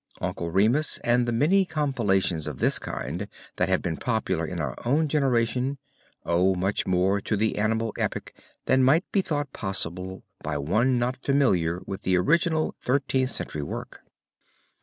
Uncle Remus and the many compilations of this kind that have been popular in our own generation, owe much more to the animal Epic than might be thought possible by one not familiar with the original Thirteenth Century work.